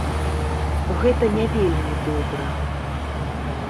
Гэта не вельмі добра.